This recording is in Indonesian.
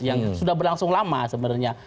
yang sudah berlangsung lama sebenarnya